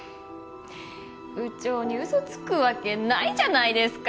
部長にウソつくわけないじゃないですか。